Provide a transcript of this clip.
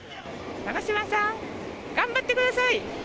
長嶋さん、頑張ってください。